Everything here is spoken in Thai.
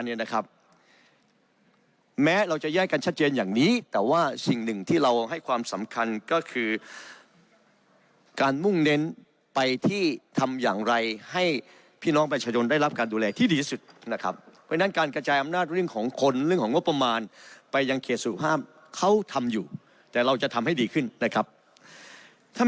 สมบัติสมบัติสมบัติสมบัติสมบัติสมบัติสมบัติสมบัติสมบัติสมบัติสมบัติสมบัติสมบัติสมบัติสมบัติสมบัติสมบัติสมบัติสมบัติสมบัติสมบัติสมบัติสมบัติสมบัติสมบัติสมบัติสมบัติสมบัติสมบัติสมบัติสมบัติสมบัติ